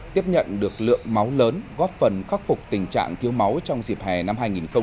tiếp nhận được lượng máu lớn góp phần khắc phục tình trạng thiếu máu trong dịp hè năm hai nghìn hai mươi